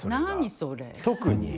それ。